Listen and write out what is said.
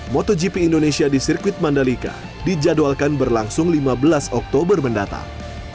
motogp indonesia di sirkuit mandalika dijadwalkan berlangsung lima belas oktober mendatang